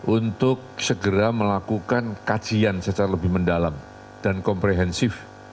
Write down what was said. untuk segera melakukan kajian secara lebih mendalam dan komprehensif